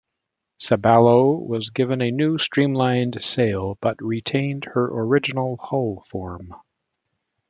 "Sabalo" was given a new streamlined sail, but retained her original hull form.